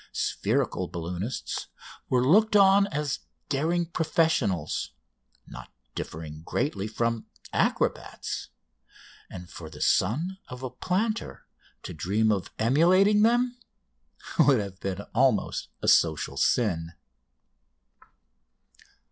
Spherical balloonists were looked on as daring professionals, not differing greatly from acrobats; and for the son of a planter to dream of emulating them would have been almost a social sin.